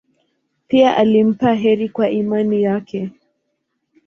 Pia alimpa heri kwa imani yake.